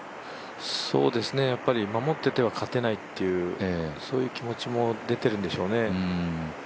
そうですね、守ってては勝てないっていうそういう気持ちも出てるんでしょうね。